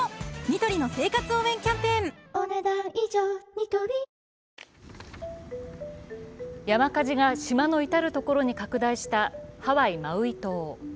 ニトリ山火事が島の至る所に拡大したハワイ・マウイ島。